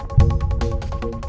apa yang ada